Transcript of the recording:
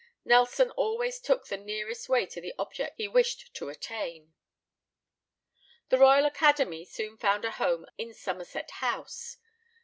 Nelson always took the nearest way to the object he wished to attain. The Royal Academy soon found a home in Somerset House.